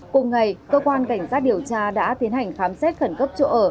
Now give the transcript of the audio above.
cùng ngày cơ quan cảnh sát điều tra đã tiến hành khám xét khẩn cấp chỗ ở